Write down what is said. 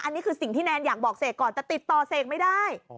อันนี้คือสิ่งที่แนนอยากบอกเสกก่อนแต่ติดต่อเสกไม่ได้